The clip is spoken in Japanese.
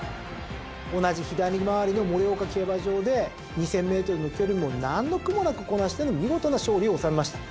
同じ左回りの盛岡競馬場で２，０００ｍの距離も何の苦もなくこなしての見事な勝利を収めました。